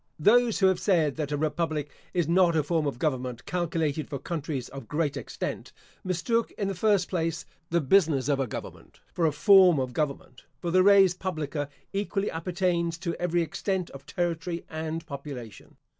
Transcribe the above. Those who have said that a republic is not a form of government calculated for countries of great extent, mistook, in the first place, the business of a government, for a form of government; for the res publica equally appertains to every extent of territory and population.